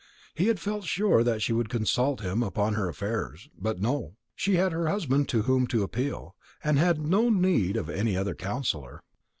He had felt sure that she would consult him upon her affairs; but no, she had her husband to whom to appeal, and had no need of any other counsellor.